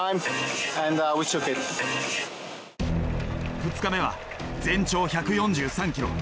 ２日目は全長１４３ｋｍ。